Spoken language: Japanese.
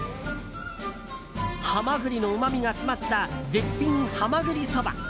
ハマグリのうまみが詰まった絶品、蛤ＳＯＢＡ